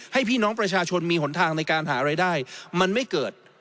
พี่น้องประชาชนมีหนทางในการหารายได้มันไม่เกิด